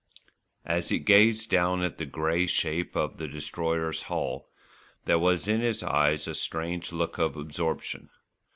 As he gazed down at the grey shape of the Destroyer's hull, there was in his eyes a strange look of absorption.